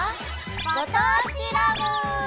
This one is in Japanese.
「ご当地ＬＯＶＥ」。